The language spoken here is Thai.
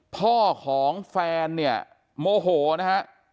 พ่อของแฟนเนี่ยโมโหนะฮะ